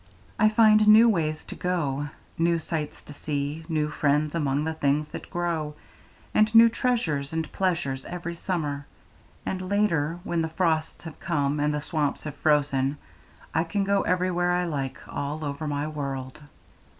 I find new ways to go, new sights to see, new friends among the things that grow, and new treasures and pleasures every summer; and later, when the frosts have come and the swamps have frozen, I can go everywhere I like all over my world.